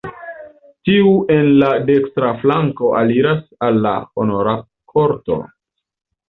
Tiu en la dekstra flanko aliras al la honora korto.